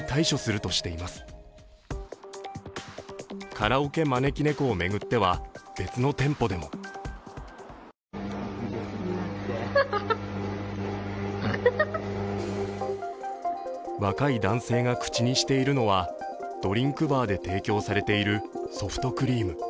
カラオケまねきねこを巡っては別の店舗でも若い男性が口にしているのはドリンクバーで提供されているソフトクリーム。